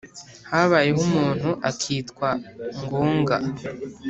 habayeho umuntu akitwa ngoga